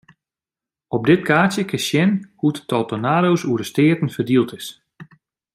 Op dit kaartsje kinst sjen hoe't it tal tornado's oer de steaten ferdield is.